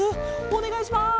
おねがいします。